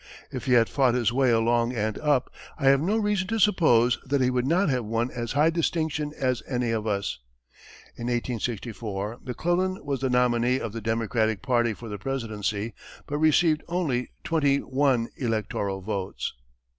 If he had fought his way along and up, I have no reason to suppose that he would not have won as high distinction as any of us." In 1864, McClellan was the nominee of the Democratic party for the presidency, but received only twenty one electoral votes.